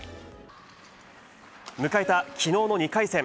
迎えたきのうの２回戦。